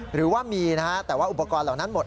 หรือว่ามีนะฮะแต่ว่าอุปกรณ์เหล่านั้นหมด